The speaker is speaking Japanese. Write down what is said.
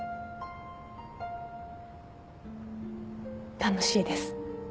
楽しいです。